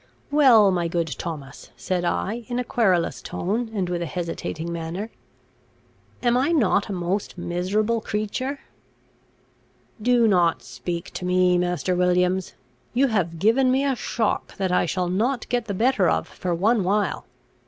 "Well, my good Thomas," said I, in a querulous tone, and with a hesitating manner, "am I not a most miserable creature?" "Do not speak to me, Master Williams! You have given me a shock that I shall not get the better of for one while.